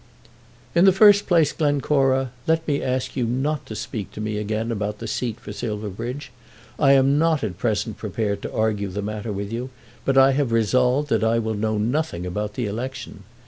"In the first place, Glencora, let me ask you not to speak to me again about the seat for Silverbridge. I am not at present prepared to argue the matter with you, but I have resolved that I will know nothing about the election.